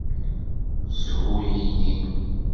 Shu-iyi.